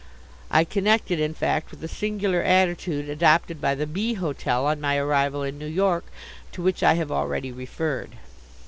I connect it, in fact, with the singular attitude adopted by the B. hotel on my arrival in New York, to which I have already referred.